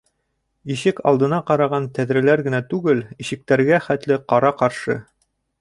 Ишек алдына ҡараған тәҙрәләр генә түгел, ишектәргә хәтле ҡара-ҡаршы.